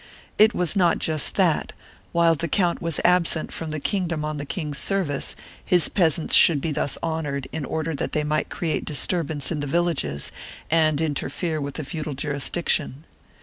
It was not just that, while the count was absent from the kingdom on the king's service, his peasants should be thus honored in order that they might create disturbance in the villages and interfere with the feudal jurisdiction.